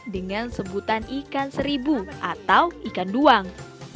dengan sebutan ikan seribu atau ikan duang